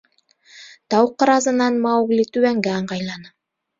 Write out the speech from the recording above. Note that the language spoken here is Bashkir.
Тау ҡыразынан Маугли түбәнгә ыңғайланы.